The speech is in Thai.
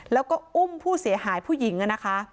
แล้วก็อุ้มผู้เสียหายผู้หญิงนะคะ